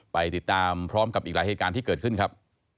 ไปติดตามพร้อมกับอีกหลายเหตุการณ์ที่เกิดขึ้นครับ